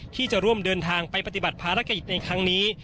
ที่จะร่วมเดินทางไปปฏิบัติภารกิจในครั้งนี้